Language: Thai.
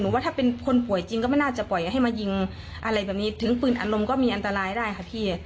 ว่าถ้าเป็นคนป่วยจริงก็ไม่น่าจะปล่อยให้มายิงอะไรแบบนี้ถึงปืนอารมณ์ก็มีอันตรายได้ค่ะพี่